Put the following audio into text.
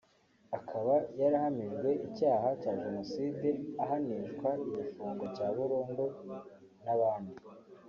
akaba yarahamijwe icyaha cya Jenoside ahanishwa igifungo cya burundu n’abandi